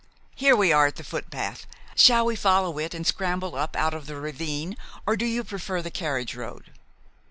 Here we are at the footpath. Shall we follow it and scramble up out of the ravine, or do you prefer the carriage road?"